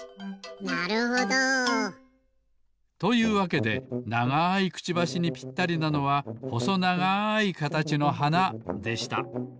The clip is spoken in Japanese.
なるほど！というわけでながいくちばしにぴったりなのはほそながいかたちのはなでした。